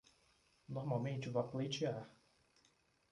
Normalmente vá pleitear